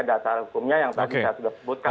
dasar hukumnya yang tadi saya sudah sebutkan